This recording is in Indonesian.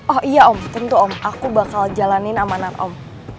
oh iya om tentu om aku bakal jalanin amanan om